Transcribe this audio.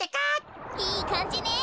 いいかんじね。